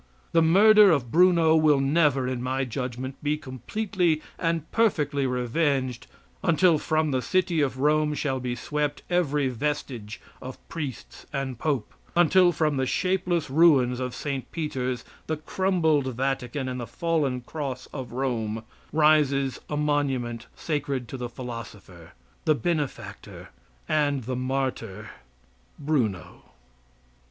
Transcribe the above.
The murder of Bruno will never, in my judgment, be completely and perfectly revenged until from the city of Rome shall be swept every vestige of priests and pope until from the shapeless ruins of St. Peter's, the crumbled Vatican and the fallen cross of Rome, rises a monument sacred to the philosopher, the benefactor and the martyr Bruno.